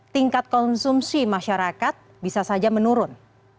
tingkat konsumsi masyarakat bisa saja menurun